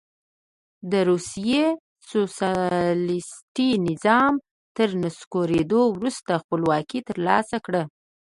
د روسیې د سوسیالیستي نظام تر نسکورېدو وروسته خپلواکي ترلاسه کړه.